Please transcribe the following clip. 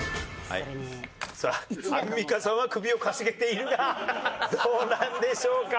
アンミカさんは首をかしげているがどうなんでしょうか？